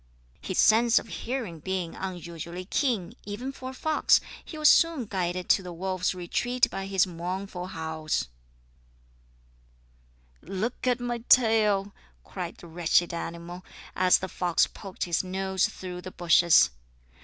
His sense of hearing being unusually keen, even for a fox, he was soon guided to the wolf's retreat by his mournful howls. "Look at my tail," cried the wretched animal, as the fox poked his nose through the bushes.